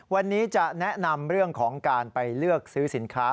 วันนี้จะแนะนำเรื่องของการไปเลือกซื้อสินค้า